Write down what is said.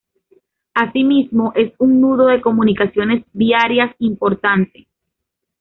Asimismo, es un nudo de comunicaciones viarias importante.